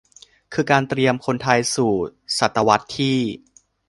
คือการเตรียมคนไทยสู่ศตวรรษที่